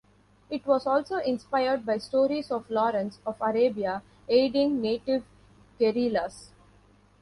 It was also inspired by stories of Lawrence of Arabia aiding native guerrillas.